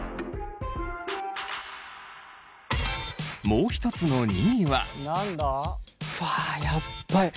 もう一つの２位はわあやっばい！